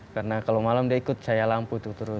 karena kalau malam dia ikut cahaya lampu itu terus